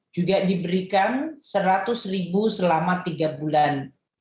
juga diberikan seratus ribu selama tiga bulan